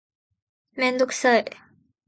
メンドクサイ